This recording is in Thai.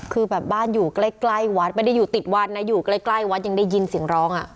คือแบบบ้านอยู่ใกล้วัดไม่ได้อยู่ติดวัดนะอยู่ใกล้วัดยังได้ยินเสียงร้องอ่ะ